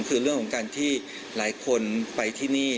คือเรื่องของการที่หลายคนไปที่นี่